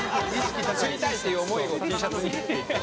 釣りたいっていう思いをＴシャツに。